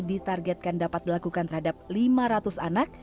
ditargetkan dapat dilakukan terhadap lima ratus anak